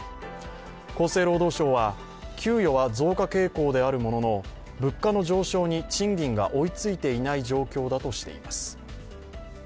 厚生労働省は、給与は増加傾向であるものの、物価の上昇に賃金が追いついていない状況だとしています。